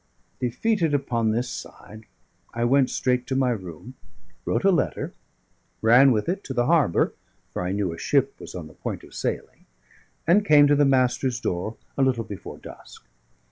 Defeated upon this side, I went straight to my room, wrote a letter, ran with it to the harbour, for I knew a ship was on the point of sailing; and came to the Master's door a little before dusk.